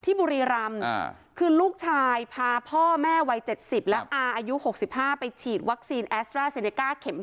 บุรีรำคือลูกชายพาพ่อแม่วัย๗๐และอาอายุ๖๕ไปฉีดวัคซีนแอสตราเซเนก้าเข็ม๓